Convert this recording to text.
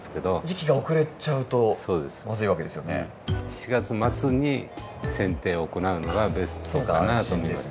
７月末にせん定を行うのがベストかなと思うんです。